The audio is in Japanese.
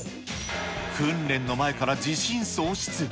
訓練の前から自信喪失。